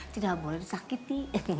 tidak boleh disakiti